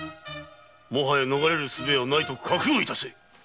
もはや逃れる術はないと覚悟致せ！